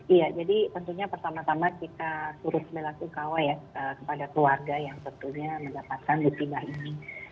iya jadi tentunya pertama tama kita turut melakukan kawah ya kepada keluarga yang tentunya mendapatkan musibah ini